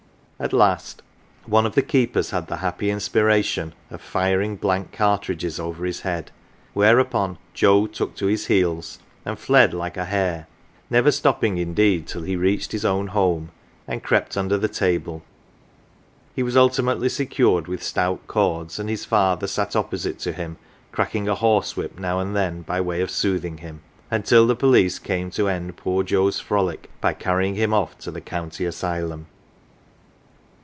At last one of the keepers had the happy inspiration of firing blank cartridges over his head, whereupon Joe took to his heels and fled like a hare, never stopping indeed till he reached his own home, and crept under the table. He was ultimately secured with stout cords, and his father sat opposite to him, cracking a horsewhip now and then by way of soothing him, until the police came to end poor Joe's frolic by carrying him oft' to the county asylum.